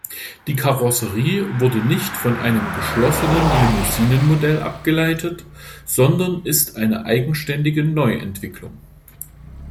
Die Karosserie wurde nicht von einem geschlossenen Limousinen-Modell abgeleitet, sondern ist eine eigenständige Neuentwicklung.